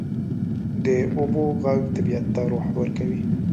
د اوبو ږغ طبیعت ته روح ورکوي.